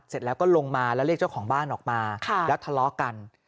เสร็จแล้วก็ลงมาแล้วเรียกเจ้าของบ้านออกมาแล้วทะเลาะกัน